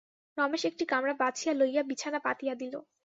রমেশ একটি কামরা বাছিয়া লইয়া বিছানা পাতিয়া দিল।